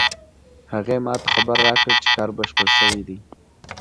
هغې ما ته خبر راکړ چې کار بشپړ شوی ده